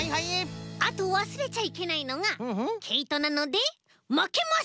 あとわすれちゃいけないのがけいとなのでまけます！